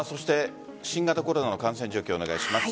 新型コロナの感染状況をお願いします。